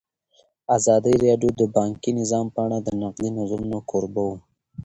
ازادي راډیو د بانکي نظام په اړه د نقدي نظرونو کوربه وه.